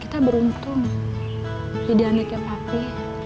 kita beruntung jadi anaknya papi